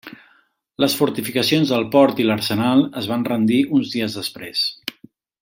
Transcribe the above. Les fortificacions del port i l'arsenal es van rendir uns dies després.